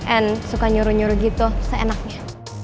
and suka nyuruh nyuruh gitu seenaknya